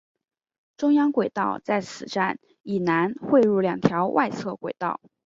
中央轨道在此站以南汇入两条外侧轨道。